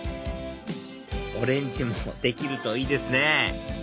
オレンジもできるといいですね